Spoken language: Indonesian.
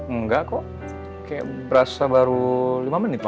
enggak kok kayak berasa baru lima menit ya